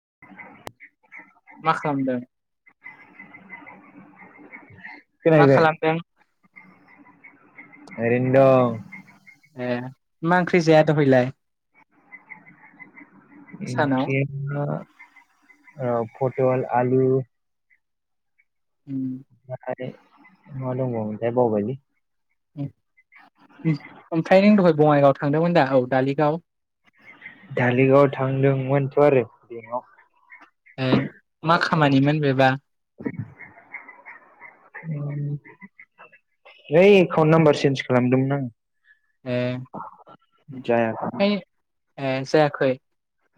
[inaudible] मा खालामदों? मा खोनाहैबाय खालामदों? ओरैनो दं । ए मा ओंख्रि जाया दहायलाय? सानाव ओंख्रिया [inaudible] ओ फटल आलु उम [inaudible] मा दंबावोमोन बावबायलै । ओंखाय नों दहाय बङाइगाव थांदोंमोन दा औ दालिगाव दालिगाव थांदोंमोनथ' आरो दिन ऐ मा खामानिमोन बेबा ओइ एकाउन्ट नाम्बार चेन्ज खालामदोंमोन आं ए जायाखै ए जाखै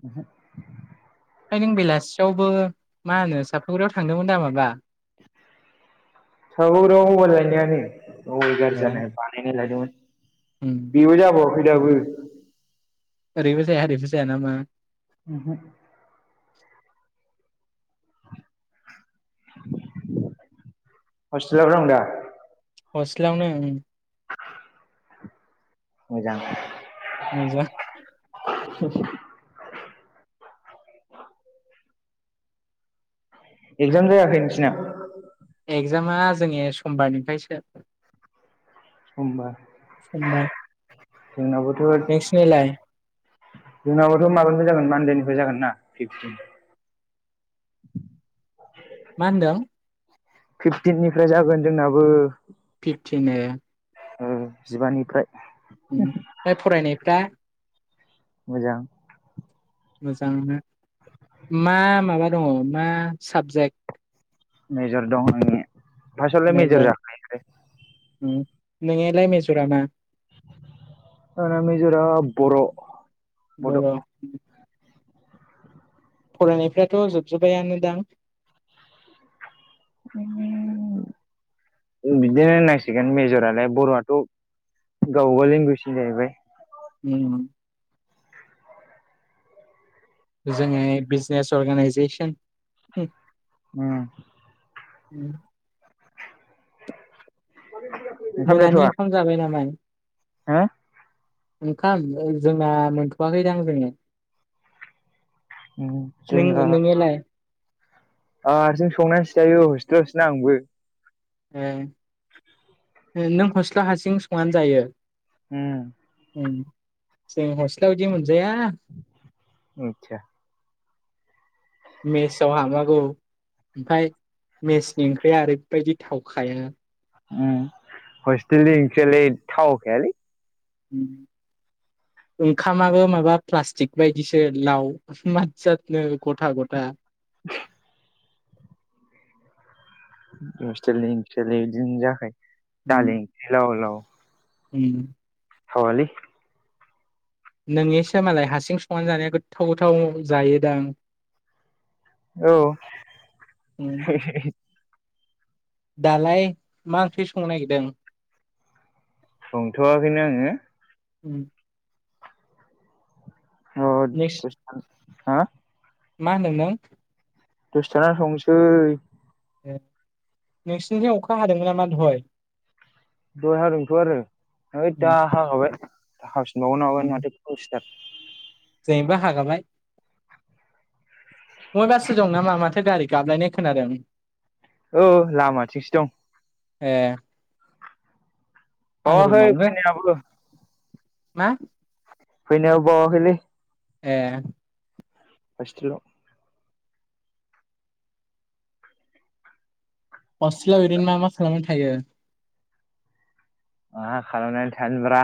ओहो ओ नों बेलासियावबो मा होनो सापुराव थांदोंमोन दा माबा राव मबाइ लायनायानो अबाइ गाज्रि ए जानाय बानायनाय लायदोंमोन उम बिबो जाब ऐ दाबो ओरैबो जाया ओरैबो जाया नामा ओमहो। [inaudible] हसटेलाव दंदा? हसटेलावनो ओं [inaudible] मोजां मोनजा [inaudible] [unintelligible] एगजाम जायाखै नोंसिना? एगजामा जोंनि समबारनिफ्रायसो समबा समबार [unintelligible] जोंनाबोथ' नोंसिनिलाय जोंनाबोथ' मा मानदेनिफ्राय जागोन ना फिफतिन [unintelligible] मा होनदों? फिफटिननिफ्राय जागोन जोंनाबो फिफटिन ए। ओ जिबानिफ्राय। [unintelligible] फरायनायफ्रा मोजां। मोजांनो मा माबा दङ मा साबजेक्ट। मेजर दं आंने फासावलाय मेजर जाखायो नालाय नोंनिलाइ मेजरा मा? [unintelligible] मेजरा बर' बड' बर'। फरायनायफ्राथ जोबजोबबायानो दां? [unintelligible] बिदिनो होननांसिगोन मेजरालाय बर'आथ गावगा लेंगुवेजनि जाहैबाय। [unintelligible] जोङो बिजनेस अर्गानाइजेसन [unintelligible] ओम [unintelligible] ओंखाम मोनानि जाथ'वा ओंखाम जाबाय नामा हो ओंखाम ओं जोंना मोनथआखैदां दोनै ओम जोंना ओ जों संनानैसो जायो [unintelligible] नो आंबो [unintelligible] ओ नों हस्टेलाव हारसिं संनानै जायो उम उम जों हस्टेलाव इदि मो जाया आदसा [unintelligible] उम हस्टेलनि ओंख्रियालाय थावखायालै। उम ओंखामाबो माबा प्लास्टिक बायदिसो लाव मा जाद जाद गथा गथा [unintelligible] हस्टेलनि ओंख्रियालाय बिदिनो जाखायो। उम दालि ओंख्रि लाव लाव उम थावालै नोंनिसो मालाय हासिं संनानै जानाया गोथाव गोथाव जायोदां औ उम हे हे हे दालाय मा ओंख्रि संनो नागिरदों? संथवाखैनो आङो। उम अ नोंसि [unintelligible] हा मा होनदों नों? दसे थाना संनोसै। नोंसिनिथिं अखा हादोंमोन नामा दहय? दहाय हादोंमोनथ आरो ओइ उम दा हागाबाय। [unintelligible] [unintelligible] [inaudible] जोंनाबो हागाबाय मयबासो दं नामा माथो गारि गाबलायनाय खोनादों औ लामाथिंसो दं। ए आं बावाखै रुमावनो फैनायाबो मा फैनायाबो बावाखैलै ए। हसटेलाव हस्टेलाव ओरैनो मा मा खालामनानै थायो? मा खालामनानै थानोब्रा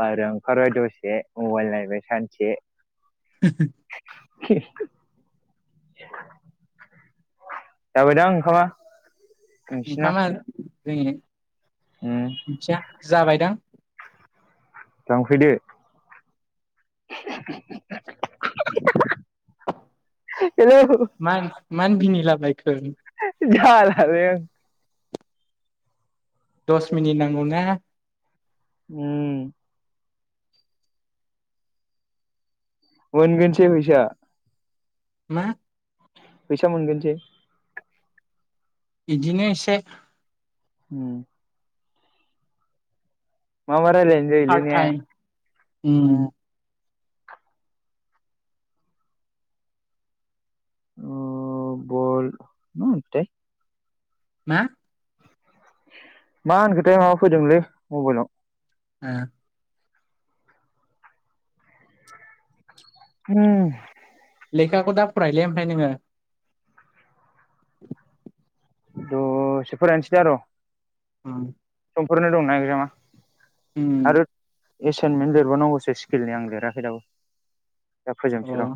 बाहेरायाव ओंखारबाय दसे, मबाइल नायबाय सानसे [unintelligible] [unintelligible] जाबायदां ओंखामा? नोंसिना ओंखामा [unintelligible] उम मिथिया जाबायदां लांफैदो [inaudible] हेलौ मान मानो बिनिला बायख खो जालालै आं। दस मिनिट नांगौ ना उम। मोनगोनसै फैसा मा? फैसा मोनगोनसै? इदिनो एसे। उम। माबाद रायनाय जायोलै पार्ट ने टाइम ओम उम अ बल [unintelligible] मा मा होनखोथाय माबा फैदोंलै मबाइलाव ओ होम लेखाखौ दा फरायलै ओमफाय नोङो दसे फरायनसै दा र ओम समफोरनो दं ना इकजामा उम आरो एसाइनमेन्ट लिरबावनांगौसो स्किलनि आं लिराखै दाबो दा फोजोबसै र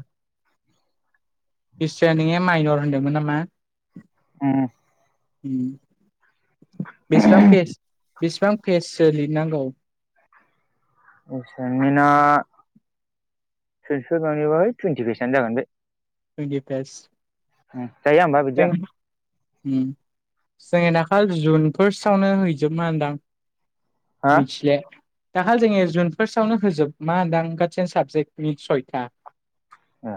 बिस्रानिया माइनर होनदोंमोन नामा ओम उम बेसेबां फेस बेसेबां फेस सो लिरनांगौ एसाइनमेन्टआ सयस मोनहैबाय टुयिन्टि फेसानो जागोन बे टुयिन्टि पेस उम जायो आंबा बिदिया ओम जों दाखालि जुन फोर्स्टआवनो हैजोबानदां हा मिथिले दाखालि जोङो ए जुन फार्स्टआवनो होजोब मान दां गसिन साबजेक्टनि सयथा ओ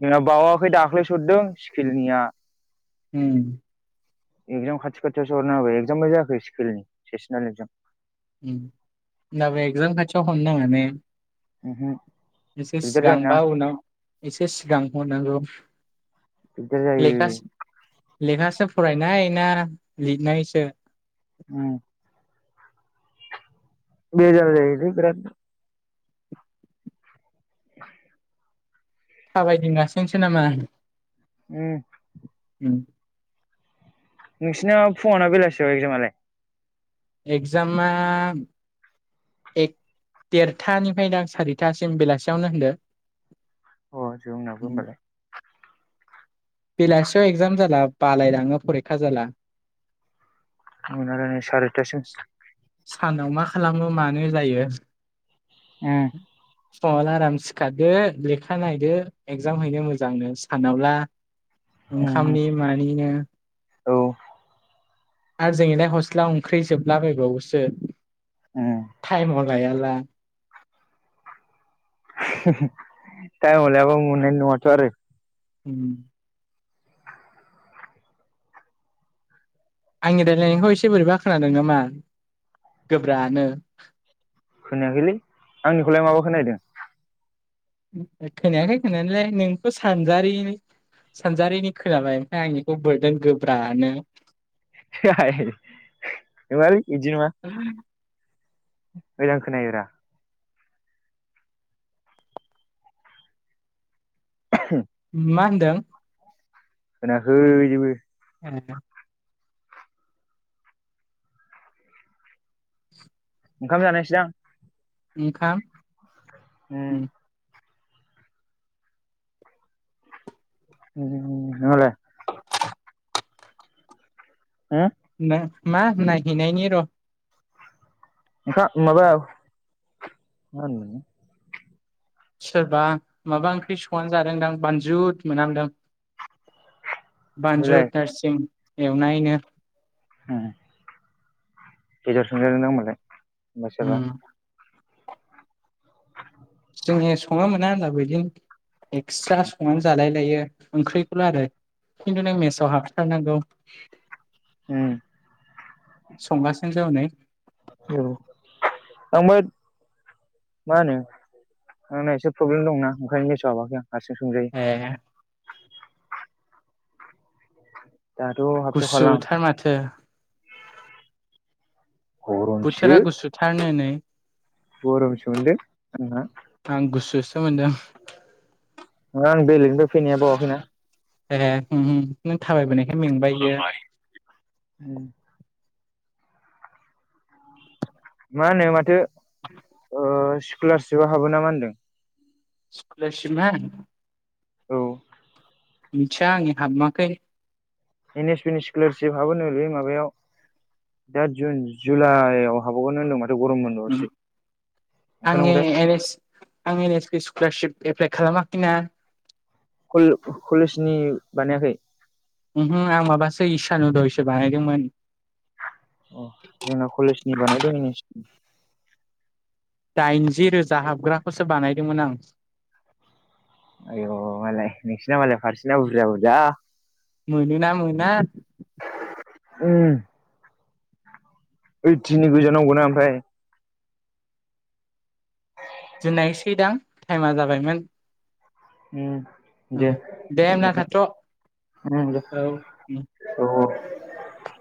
जोंना बावाखै दाख्लैसो हरदों स्किलनिया ओम इकजाम खाथि खाथियावसो हरना होबाय इकजामबो जायाखै स्किलनि सेसनेल इकजाम ओम होनबाबो एक्जाम खाथियाव खन उमहो [unintelligible] एसे दिगदार जायोना सिगांबा उनाव एसे सिगां हरनांगौ। दिगदार जायो लेखास लेखासो फ रायनाय ना लिरनायसो ओम बेजाल जायोलै बेराद [inaudible] थाबायदिंगासिनोसो नामा? उम उम नोंसिना फुङना बेलासियाव एकजामालाय? एक्जाम मा एक देरथानिफ्रायनो सारिथासिम बेलासियावनो होनदो अ जोंनांबो होमबालाय बेलासियाव एगजाम जाला बालायलाङो परिखा जाला [unintelligible] सारि थासिम सानाव मा खालामो मानो जायो। ओम फुङावल आराम सिखारदो लेखा नायदो एगजाम हैनो मोजांनो सानावला उम ओंखामनि मानिनो औ आरो जोंलाय हस्ला ओंख्रि जोबलाबायबावोसो ओम भायला थायमाव लाया मन नङथ आरो उम आंनि रायज्लायनायखौ एसे बोरैबा खोनादों नामा गोब्रानो खोनायाखैलै आंनिखौलाय माबा खोनदों खोनायाखाय खोनालाय नोंखौ सानजारि सानजारिनि खोनाबाय ओमफ्राय आंनिखौ बोरदोंन गोब्रानो नङालै इदि नङा मोजां खोनायोरा होम मा होनदों होनाखै जेबो ए ओंखाम जानोसै दां ओंखाम उम उम नोंहालाय [inaudible] उम नो मा नायहैनायनि र ओंखा माबा माहोनोमोन सोरबा माबा ओंख्रि संनानै जादोंदां बानजु मोनांदों बान्जु बेलाय थारसिं एवनायनो होम गेजेराव सोंजागोनदां होनबालाय उम मसबा जोङो सङनो मोना होनब्लाबो बिदिनो एक्सट्रा संनानै जालाय लायो ओंख्रिखौल आरो खिन्थु नों मेसआव हाबथारनांगौ। ओम संगासिनोसो हनै औ आंबो मा होनो आंना एसे प्रब्लेम दंना ओंखायनो मेसाव हाबाखै आं हारसिं संजायो ए दाथ' गुससु हाबथ'खाला आं थार माथो गरमसो बोथोरा गुसु थारनो नै गरमसो मोन्दों आंना सो मोन्दो आं बेलेगनिफ्राय फैनाया बावाखैना ए नों थाबायबोनायखाय मेंबाय बियो उम मा होनोमाथो [inaudible] स्कलारशिप आ हाबो ना मा होनदों स्कलारशिप ना औ मिथिया आंनि हाबाखै एन एस पि नि स्कलारशिप हाबोनोलै माबायाव दा जुन जुलाइआव हाबावगोननो होनदोंमोन मा उम आं ओंखारनांगौथाय ए-एन आं N S P scholarship apply खालामाखैना। कल-कलेजनि बानायाखै? उहो आं माबासै इसानुदयसो बानायदोंमोन। अ [unintelligible] दाइनजि रोजा हाबग्रा खौसो बानायदोंमोन आं आय मालाय नोंसिना मालाय फारसेना बुरजा बुरजा। मोनो ना मोना उम ओइटिनि गोजा नांगौना ओमफ्राय? दोननायसै दां टाइमा जाबायमोन? उम ओम दे दे उमबा‌ होमबालाय उम दे होनना औ औ थाथ।